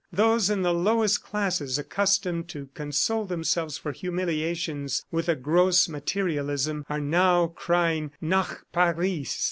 Those in the lowest classes, accustomed to console themselves for humiliations with a gross materialism, are now crying 'Nach Paris!